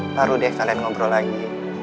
baru deh kalian ngobrol lagi